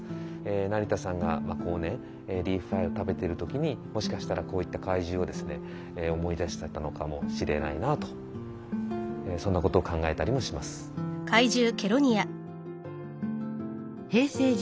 成田さんが後年リーフパイを食べてる時にもしかしたらこういった怪獣をですね思い出してたのかもしれないなとそんなことを考えたりもします。